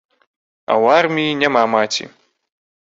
А ў арміі няма маці.